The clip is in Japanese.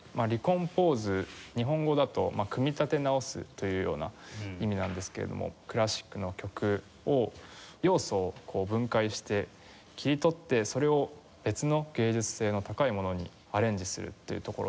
日本語だと「組み立て直す」というような意味なんですけれどもクラシックの曲を要素を分解して切り取ってそれを別の芸術性の高いものにアレンジするっていうところで。